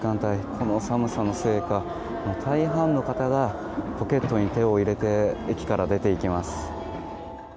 この寒さのせいか大半の方がポケットに手を入れて駅から出ていきます。